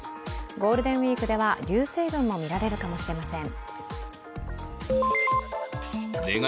ゴールデンウイークでは流星群も見られるかもしれません。